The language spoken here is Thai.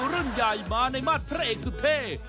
รื่มใหญ่มาในมาตรผราเอกสุดเพศ